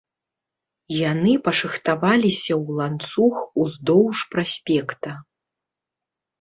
Яны пашыхтаваліся ў ланцуг уздоўж праспекта.